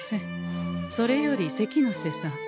それより関ノ瀬さん